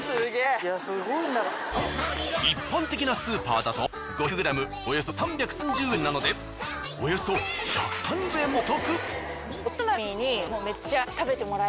冷凍一般的なスーパーだと同量でおよそ１０５０円なのでおよそ７００円もお得！